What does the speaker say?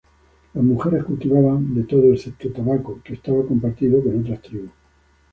Las mujeres cultivaban de todo excepto tabaco, que estaba compartido con otras tribus.